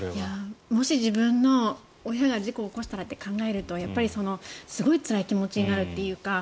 もし自分の親が事故を起こしたらと考えるとやっぱりすごいつらい気持ちになるというか。